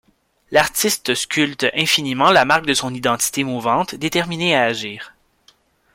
L´artiste sculpte infiniment la marque de son identité mouvante, déterminé à agir.